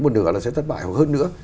một nửa là sẽ thất bại hoặc hơn nữa